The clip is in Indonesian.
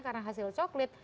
karena hasil coklat